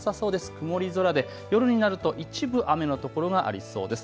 曇り空で夜になると一部雨の所がありそうです。